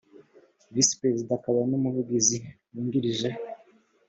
visi perezida akaba n umuvugizi wungirije